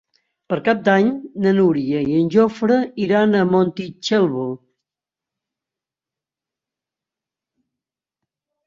Per Cap d'Any na Núria i en Jofre iran a Montitxelvo.